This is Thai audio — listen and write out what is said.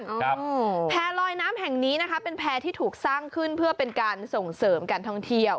ครับแพร่ลอยน้ำแห่งนี้นะคะเป็นแพร่ที่ถูกสร้างขึ้นเพื่อเป็นการส่งเสริมการท่องเที่ยว